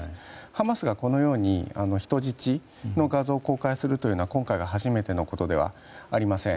ハマスがこのように人質の画像を公開するのは今回が初めてのことではありません。